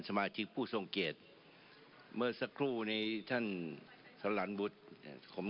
สมาชิกผู้ทรงเกียจเมื่อสักครู่ในท่านสลันบุธผม